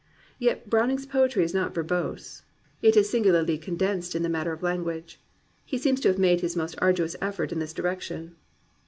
Yet Browning's poetry is not verbose. It is singu larly condensed in the matter of language. He seems to have made his most arduous effort in this direc tion.